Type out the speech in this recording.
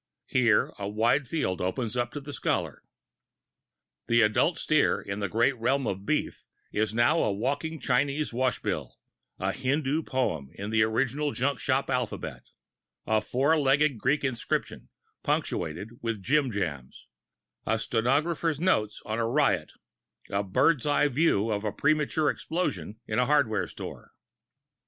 Here a wide field opens up to the scholar. The adult steer in the great realm of beef is now a walking Chinese wash bill, a Hindoo poem in the original junk shop alphabet, a four legged Greek inscription, punctuated with jim jams, a stenographer's notes of a riot, a bird's eye view of a premature explosion in a hardware store.